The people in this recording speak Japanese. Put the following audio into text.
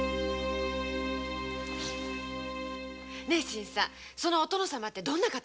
新さんそのお殿様ってどんな人？